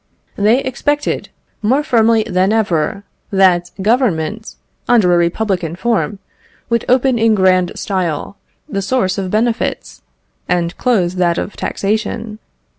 They expected, more firmly than ever, that Government, under a republican form, would open in grand style the source of benefits and close that of taxation.